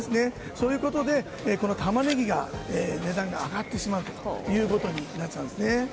そういうことで、このタマネギが値段が上がってしまうということになったんですね。